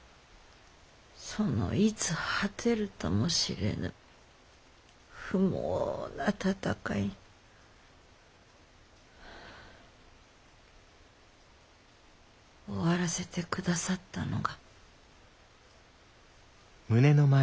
そのいつ果てるともしれぬ不毛な戦い終わらせて下さったのが。